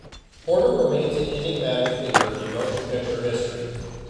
Porter remains an enigmatic figure in motion picture history.